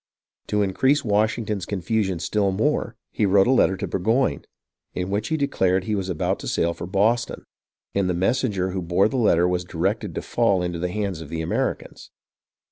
To increase Washington's confusion still more, he wrote a letter to Burgoyne, in which he declared he was about to sail for Boston ; and the messenger who bore the letter was directed to fall into the hands of the Americans.